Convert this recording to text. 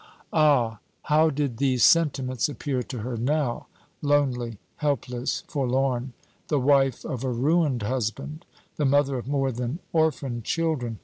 Ah, how did these sentiments appear to her now lonely, helpless, forlorn the wife of a ruined husband, the mother of more than orphan children!